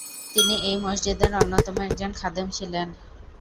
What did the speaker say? তিনি এই মসজিদের অন্যতম একজন খাদেম ছিলেন।